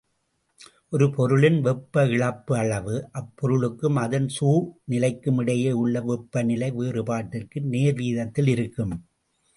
ஒரு பொருளின் வெப்ப இழப்பு அளவு, அப்பொருளுக்கும் அதன் சூழ்நிலைக்குமிடையே உள்ள வெப்பநிலை வேறுபாட்டிற்கு நேர்வீதத்திலிருக்கும்.